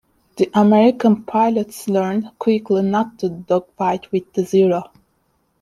The American pilots learned quickly not to dogfight with the Zero.